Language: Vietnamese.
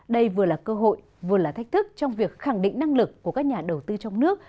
đây vừa là cơ hội vừa là thách thức trong việc khẳng định năng lực của các nhà đầu tư trong nước